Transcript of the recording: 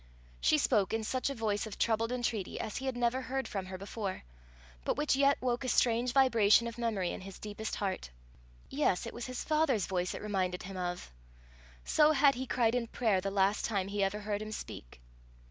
She spoke in such a voice of troubled entreaty as he had never heard from her before, but which yet woke a strange vibration of memory in his deepest heart. Yes, it was his father's voice it reminded him of! So had he cried in prayer the last time he ever heard him speak.